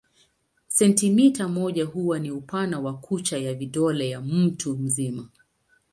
Sentimita moja huwa ni upana wa kucha ya kidole cha mtu mzima.